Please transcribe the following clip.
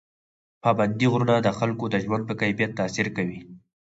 پابندي غرونه د خلکو د ژوند په کیفیت تاثیر کوي.